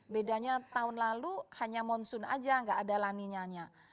bedanya tahun lalu hanya monsun aja gak ada laninanya